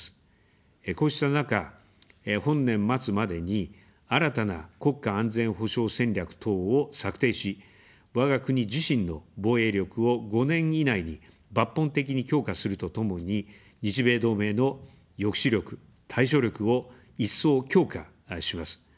こうした中、本年末までに新たな国家安全保障戦略等を策定し、わが国自身の防衛力を５年以内に抜本的に強化するとともに、日米同盟の抑止力・対処力を一層強化します。